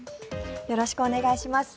よろしくお願いします。